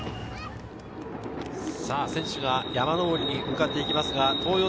選手が山上りに向かっていきます。